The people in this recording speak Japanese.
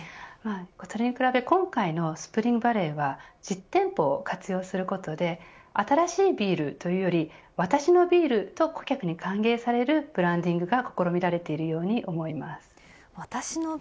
それに比べ今回のスプリングバレーは実店舗を活用することで新しいビールというより私のビールと顧客に歓迎されるブランディングが試みられています。